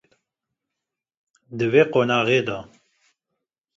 Di vê qonaxê de